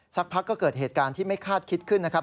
สักพักก็เกิดเหตุการณ์ที่ไม่คาดคิดขึ้นนะครับ